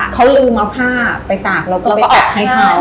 เขาลืมเอาผ้าไปตากเราก็ไปตากให้เขา